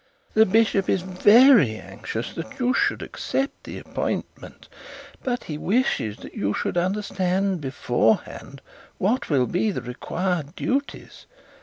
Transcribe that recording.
'The bishop is very anxious that you should accept the appointment; but he wishes you should understand beforehand what will be the required duties.